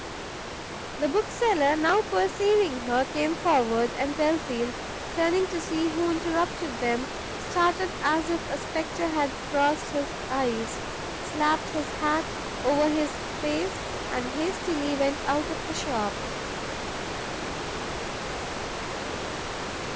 The bookseller now perceiving her, came forward, and Belfield, turning to see who interrupted them, started as if a spectre had crossed his eyes, slapped his hat over his face, and hastily went out of the shop.